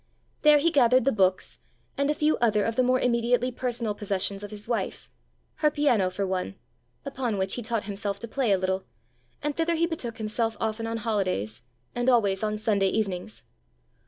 There he gathered the books, and a few other of the more immediately personal possessions of his wife her piano for one upon which he taught himself to play a little; and thither he betook himself often on holidays, and always on Sunday evenings.